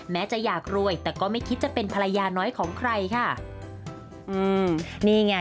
จะอยากรวยแต่ก็ไม่คิดจะเป็นภรรยาน้อยของใครค่ะอืมนี่ไง